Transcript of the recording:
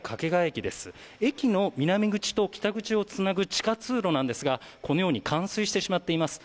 駅の南口と北口をつなぐ地下通路なんですが、このように冠水してしまっています。